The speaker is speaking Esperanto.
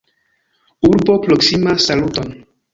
Urbo proksimas Saluton!